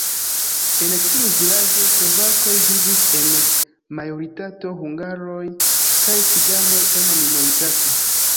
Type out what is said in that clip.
En tiuj vilaĝoj slovakoj vivis en majoritato, hungaroj kaj ciganoj en minoritato.